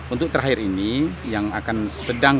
untuk terakhir ini yang akan sedang